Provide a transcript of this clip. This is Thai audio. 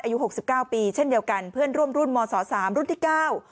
หกสิบเก้าปีเช่นเดียวกันเพื่อนร่วมรุ่นมสสามรุ่นที่เก้า